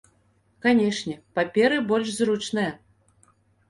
Канешне, паперы больш зручныя.